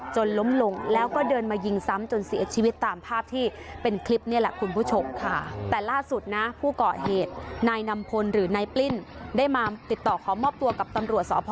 ล้มลงแล้วก็เดินมายิงซ้ำจนเสียชีวิตตามภาพที่เป็นคลิปนี่แหละคุณผู้ชมค่ะ